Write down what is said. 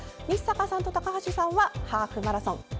日坂さんと高橋さんはハーフマラソン。